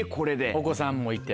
お子さんもいて。